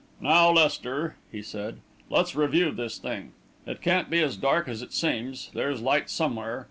"Now, Lester," he said, "let's review this thing. It can't be as dark as it seems there's light somewhere.